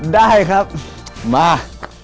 อ๋อได้ครับมา